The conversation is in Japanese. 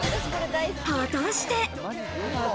果たして？